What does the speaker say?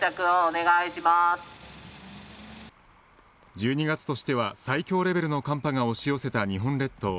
１２月としては最強レベルの寒波が押し寄せた日本列島